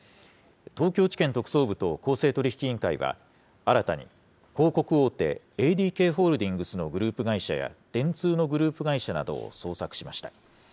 東京地検特捜部と公正取引委員会は、新たに広告大手、ＡＤＫホールディングスのグループ会社や、電通のグループ会社などを捜索しました。